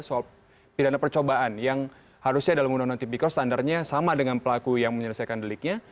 soal pidana percobaan yang harusnya dalam undang undang tipikor standarnya sama dengan pelaku yang menyelesaikan deliknya